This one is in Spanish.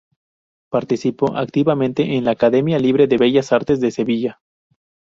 Participó activamente en la Academia Libre de Bellas Artes de Sevilla.